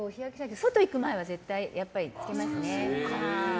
外行く前は絶対つけますね。